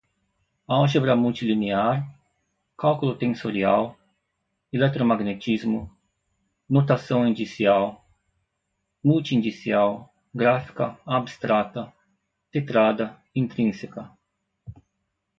álgebra multilinear, cálculo tensorial, eletromagnetismo, notação indicial, multi-indicial, gráfica, abstrata, tetrada, intrínseca